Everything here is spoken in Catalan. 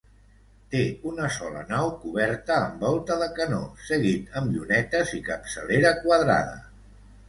Té una sola nau coberta amb volta de canó seguit amb llunetes i capçalera quadrada.